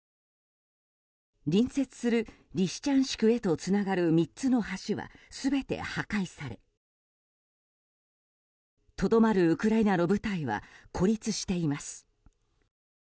隣接するリシチャンシクへとつながる３つの橋は全て破壊されとどまるウクライナの部隊は孤立しています。